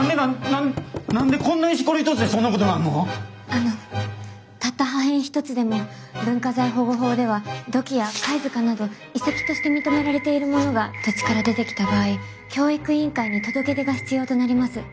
あのたった破片一つでも文化財保護法では土器や貝塚など遺跡として認められているものが土地から出てきた場合教育委員会に届け出が必要となります。